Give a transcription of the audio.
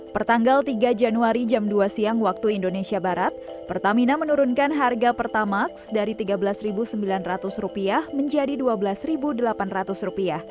pertanggal tiga januari jam dua siang waktu indonesia barat pertamina menurunkan harga pertamax dari rp tiga belas sembilan ratus menjadi rp dua belas delapan ratus